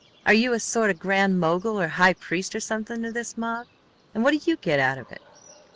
Are you a sort of grand mogul or high priest or something to this mob? And what do you get out of it?"